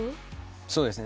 そうですね。